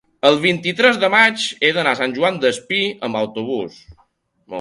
el vint-i-tres de maig he d'anar a Sant Joan Despí amb autobús.